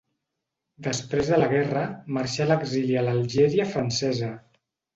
Després de la guerra, marxà a l'exili a l'Algèria francesa.